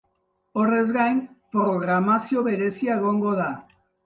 Horrez gain, programazio berezia egongo da.